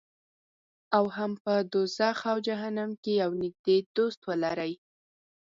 او هم په دوزخ او جهنم کې یو نږدې دوست ولري.